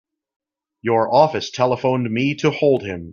Your office telephoned me to hold him.